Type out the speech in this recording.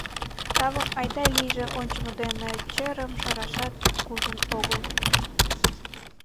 Тавым айда-лийже ончымо дене черым шарашат кужун огыл!